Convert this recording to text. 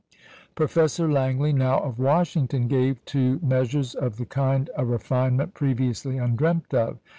Professor Langley, now of Washington, gave to measures of the kind a refinement previously undreamt of.